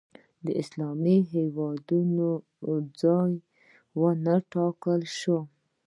اسلامي هېوادونو ځای نه و ټاکل شوی